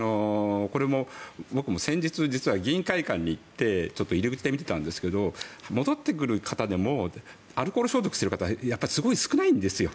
これも僕も先日、実は議員会館に行ってちょっと入り口で見ていたんですけど戻ってくる方でもアルコール消毒している方やっぱりすごい少ないんですよ。